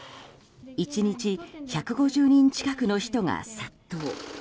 １日１５０人近くの人が殺到。